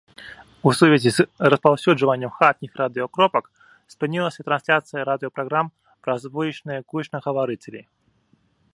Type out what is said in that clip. У сувязі з распаўсюджваннем хатніх радыёкропак спынілася трансляцыя радыёпраграм праз вулічныя гучнагаварыцелі.